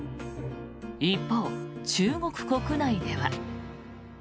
一方、中国国内では。